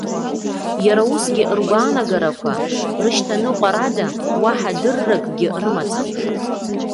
Иара усгьы ргәаанагарақәа рышьҭаныҟәарада уаҳа дырракгьы рымаӡам.